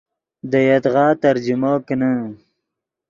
دے یدغا ترجمو کینے